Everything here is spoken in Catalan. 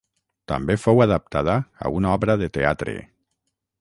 També fou adaptada a una obra de teatre.